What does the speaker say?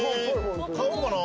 買おうかな。